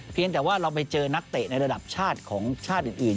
เพียงแต่ว่าเราไปเจอนักเตะในระดับชาติของชาติอื่น